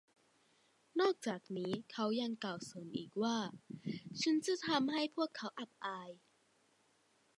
นอกจากนี้เขายังกล่าวเสริมอีกว่า“ ฉันจะทำให้พวกเขาอับอาย”